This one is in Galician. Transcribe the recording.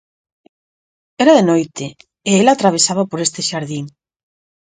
Era de noite e ela atravesaba por este xardín.